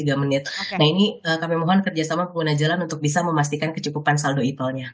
nah ini kami mohon kerjasama pengguna jalan untuk bisa memastikan kecukupan saldo ipalnya